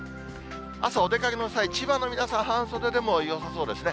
朝、お出かけの際、千葉の皆さん、半袖でもよさそうですね。